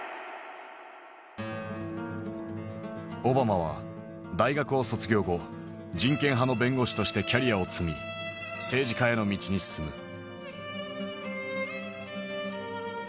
オバマは大学を卒業後人権派の弁護士としてキャリアを積み政治家への道に進む。